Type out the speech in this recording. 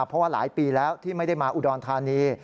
เพราะว่าหลายปีแล้วที่ไม่ได้มาอุดรธานี